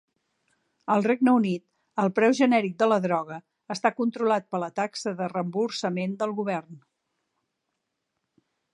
Al Regne Unit, el preu genèric de la droga està controlat per la taxa de reemborsament del govern.